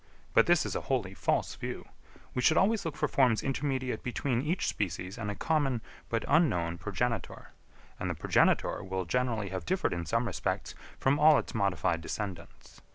But this is a wholly false view; we should always look for forms intermediate between each species and a common but unknown progenitor; and the progenitor will generally have differed in some respects from all its modified descendants.